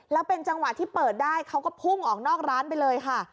แล้วเป็นจังหวะที่เปิดได้เขาก็พุ่งออกนอกร้านไปเลยค่ะ